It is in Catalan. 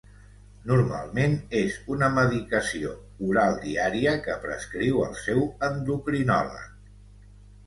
Normalment és una medicació oral diària que prescriu el seu endocrinòleg.